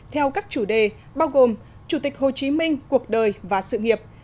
theo các chủ đề bao gồm chủ tịch hồ chí minh cuộc đời và sự nghiệp